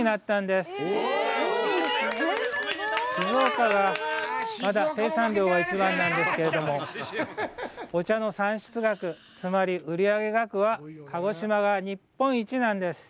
すごい！静岡がまだ生産量が一番なんですけれども、お茶の産出額、つまり売上額は日本一なんです。